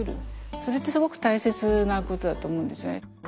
それってすごく大切なことだと思うんですよね。